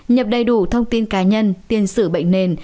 nhập đầy đủ thông tin cá nhân tiền sử bệnh nền